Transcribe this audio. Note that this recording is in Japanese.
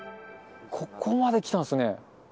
ここまで来たんですね。